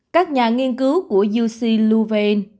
các nhà nghiên cứu của uc luven